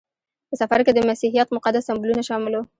په سفر کې د مسیحیت مقدس سمبولونه شامل وو.